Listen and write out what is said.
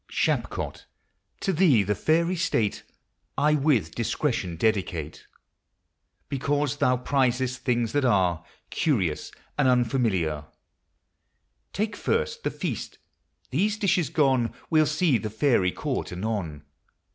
Shapcot ! to thee the Fairy State I with discretion dedicate : Because thou prizest things that are Curious and unfamiliar, Take first the feast ; these dishes gone, We'll see the Fairy court anon.